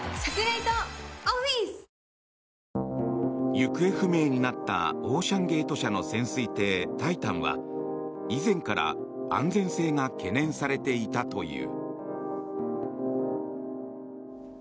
行方不明になったオーシャン・ゲート社の潜水艇「タイタン」は以前から安全性が懸念されていたという。